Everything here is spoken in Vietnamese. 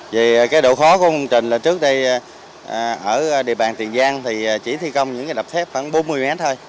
vì cái độ khó của công trình là trước đây ở địa bàn tiền giang thì chỉ thi công những cái đập thép khoảng bốn mươi mét thôi